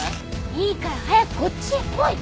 いいから早くこっちへ来い！